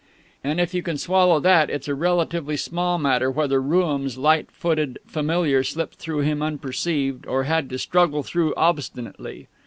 And if you can swallow that, it's a relatively small matter whether Rooum's light footed Familiar slipped through him unperceived, or had to struggle through obstinately.